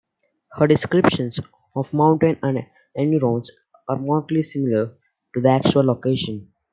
Her descriptions of the mountain and environs are markedly similar to the actual location.